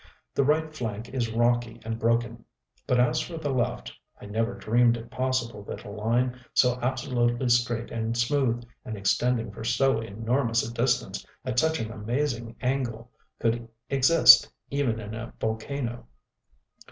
The right flank is rocky and broken. But as for the left, I never dreamed it possible that a line so absolutely straight and smooth, and extending for so enormous a distance at such an amazing angle, could exist even in a volcano.